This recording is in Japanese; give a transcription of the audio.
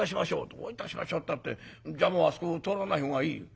「どういたしましょうったってじゃああそこ通らないほうがいいよ」。